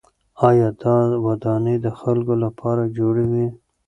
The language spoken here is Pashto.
آیا دا ودانۍ د خلکو لپاره جوړې وې؟